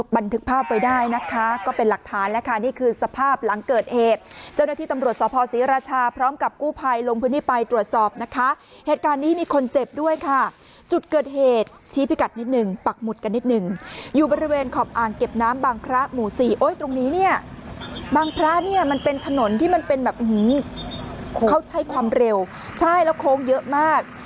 บางพระหมู่สี่โอ้ยตรงนี้เนี่ยบางพระเนี่ยมันเป็นถนนที่มันเป็นแบบอื้อฮือเขาใช้ความเร็วใช่แล้วโค้งเยอะมาก